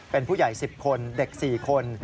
เป็นผู้ใหญ่๑๐คนเด็ก๔คน